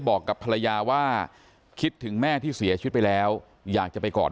บอกกับภรรยาว่าคิดถึงแม่ที่เสียชีวิตไปแล้วอยากจะไปกอด